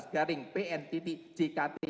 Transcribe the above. garing pn titik jkt